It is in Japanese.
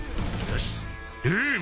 よし。